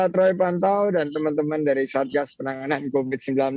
troy pantau dan teman teman dari satgas penanganan covid sembilan belas